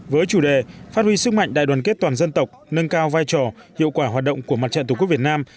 với chủ đề phát huy sức mạnh đại đoàn kết toàn dân tộc nâng cao vai trò hiệu quả hoạt động của mặt trận tổ quốc việt nam